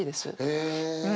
へえ。